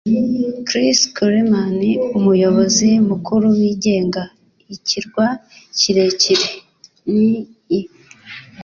Chris Coleman - Umuyobozi mukuru wigenga, Ikirwa kirekire, N.Y.